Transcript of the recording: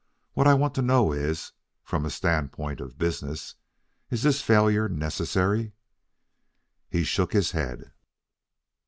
What I want to know is, from a standpoint of business, is this failure necessary?" He shook his head.